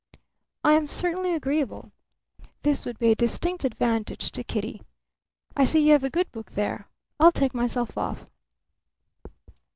"I am certainly agreeable." This would be a distinct advantage to Kitty. "I see you have a good book there. I'll take myself off."